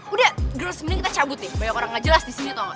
udah girls mending kita cabut nih banyak orang gak jelas disini tau gak